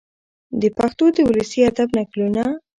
د پښتو د ولسي ادب نکلونه،